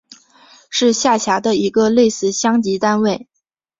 是下辖的一个类似乡级单位。